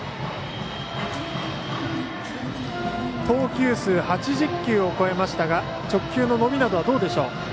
投球数８０球を超えましたが直球の伸びなどはどうでしょう。